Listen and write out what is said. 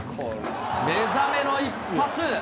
目覚めの一発。